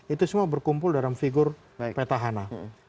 itu semua berkumpul dalam figur petahana